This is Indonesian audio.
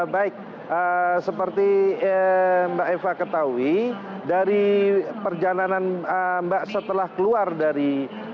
baik seperti mbak eva ketahui dari perjalanan mbak setelah keluar dari